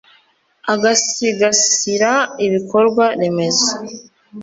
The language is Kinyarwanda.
agasigasira ibikorwa remezo